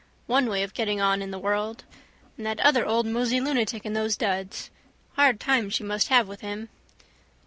One way of getting on in the world. And that other old mosey lunatic in those duds. Hard time she must have with him.